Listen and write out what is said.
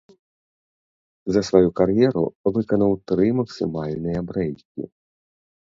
За сваю кар'еру выканаў тры максімальныя брэйкі.